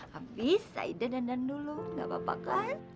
habis saidah dandan dulu gak apa apa kan